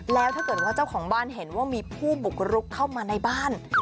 แล้วถ้าเกิดว่าเจ้าของบ้านเห็นว่ามีผู้บุกรุกเข้ามาในบ้าน